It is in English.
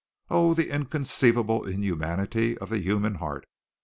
Oh, the inconceivable inhumanity of the human heart!